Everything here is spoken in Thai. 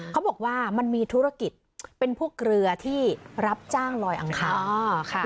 เขาบอกว่ามันมีธุรกิจเป็นพวกเรือที่รับจ้างลอยอังคาร